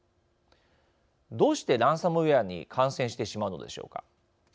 どうしてランサムウエアに感染してしまうのでしょうか。